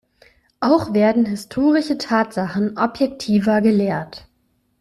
Auch werden historische Tatsachen objektiver gelehrt.